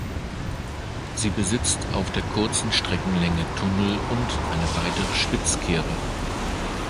Sie besitzt auf der kurzen Streckenlänge Tunnel und eine weitere Spitzkehre.